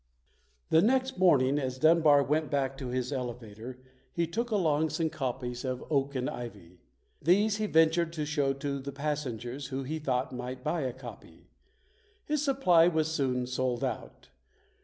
The next morning, as Dunbar went back to his PAUL LAURENCE DUNBAR [ 49 elevator, he took along some copies of "Oak and Ivy". These he ventured to show to the passen gers who he thought might buy a copy. His supply was soon sold out.